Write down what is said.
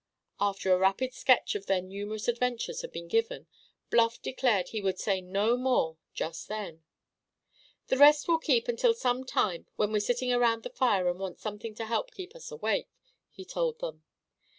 After a rapid sketch of their numerous adventures had been given, Bluff declared he would say no more just then. "The rest will keep until some time when we're sitting around the fire and want something to help keep us awake," he told them.